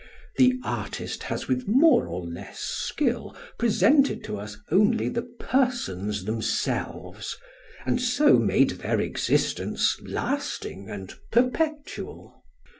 The artist has with more or less skill presented to us only the persons themselves, and so made their existence lasting and perpetual.